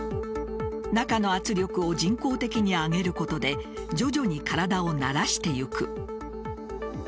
中の圧力を人工的に上げることで徐々に体を慣らしていく。